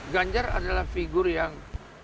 ganjar adalah figur yang